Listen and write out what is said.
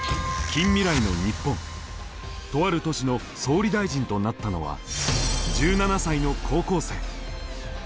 とある都市の総理大臣となったのは１７才の高校生。